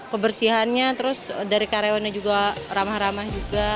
kebersihannya terus dari karyawannya juga ramah ramah juga